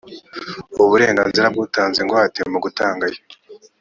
uburenganzira bw’utanze ingwate mu gutanga ayo